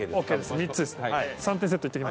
３つですね。